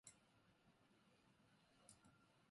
全然ないんだけど